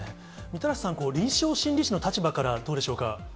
みたらしさん、臨床心理士の立場からどうでしょうか。